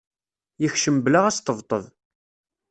Yekcem bla asṭebṭeb.